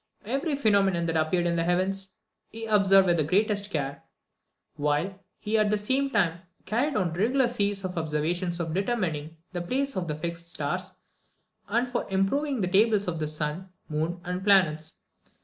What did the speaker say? Every phenomenon that appeared in the heavens, he observed with the greatest care; while he at the same time carried on regular series of observations for determining the places of the fixed stars, and for improving the tables of the sun, moon, and planets.